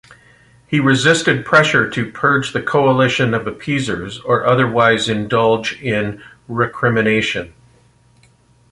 He resisted pressure to purge the coalition of appeasers, or otherwise indulge in recrimination.